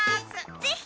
ぜひ！